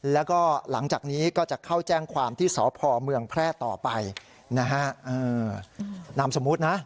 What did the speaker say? แล้วก็หลังจากนี้ก็จะเข้าแจ้งความที่สพเมืองแพร่ต่อไปนะฮะนามสมมุตินะ